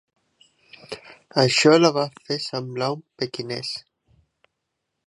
Això la va fer semblar un pequinès.